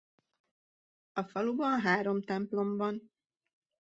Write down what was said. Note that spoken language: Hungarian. A faluban három templom van.